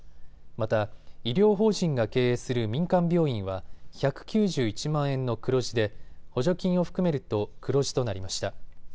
また医療法人が経営する民間病院は１９１万円の黒字で補助金を含めると黒字となりました。